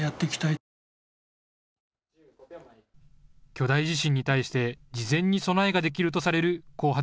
巨大地震に対して事前に備えができるとされる後発